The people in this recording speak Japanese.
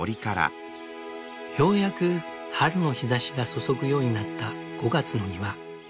ようやく春の日ざしが注ぐようになった５月の庭。